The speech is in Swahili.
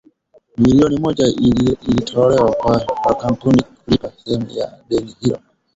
Milioni moja ilitolewa kwa makampuni kulipa sehemu ya deni hilo